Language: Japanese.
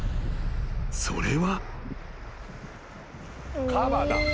それは］